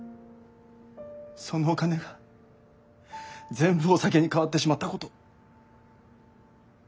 そのお金が全部お酒に変わってしまったこと。